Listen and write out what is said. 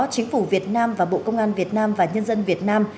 chính phủ việt nam và bộ công an việt nam và nhân dân việt nam